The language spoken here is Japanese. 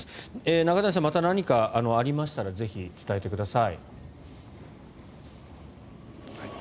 中谷さん、また何かありましたらぜひ伝えてください。